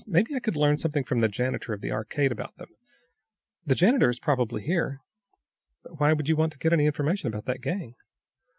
Maybe I could learn something from the janitor of the Arcade about them. The janitor is probably here." "But why do you want to get any information about that gang?"